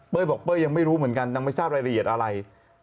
บอกเป้ยยังไม่รู้เหมือนกันยังไม่ทราบรายละเอียดอะไร